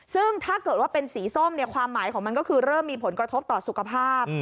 ซึ่งถ้าเกิดว่าเป็นสีส้มความหมายของมันก็คือเริ่มมีผลกระทบต่อสุขภาพ